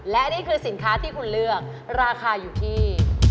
และนี่คือสินค้าที่คุณเลือกราคาอยู่ที่